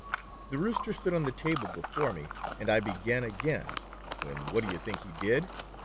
The Rooster stood on the table before me, and I began again, when what do you think he did